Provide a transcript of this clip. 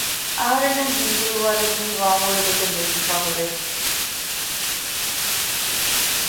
އަހަރެންނަށް ހިންދިރުވާލެވުނީ ވާންއުޅޭ ގޮތެއް ނޭނގިފައި ހުރޭ